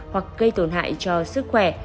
hoặc gây tổn hại cho sức khỏe